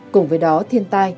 cùng với đó thiên tai